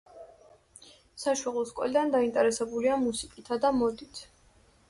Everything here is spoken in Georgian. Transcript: საშუალო სკოლიდან დაინტერესებულია მუსიკითა და მოდით.